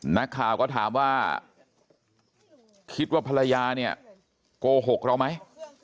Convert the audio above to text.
นักข่าวก็ถามว่าคิดว่าภรรยาเนี่ยโกหกเราไหม